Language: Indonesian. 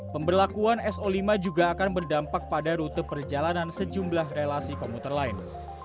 pemberlakuan so lima juga akan berdampak pada rute perjalanan sejumlah relasi komuter lain